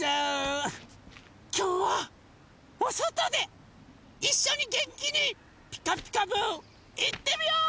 きょうはおそとでいっしょにげんきに「ピカピカブ！」いってみよう！